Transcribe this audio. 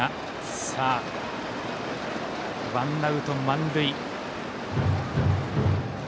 さあ、ワンアウト満塁。